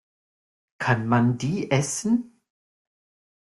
Kann man die essen?